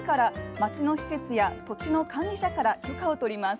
町の施設や土地の管理者から許可を取ります。